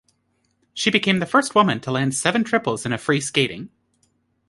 She became the first woman to land seven triples in a free skating.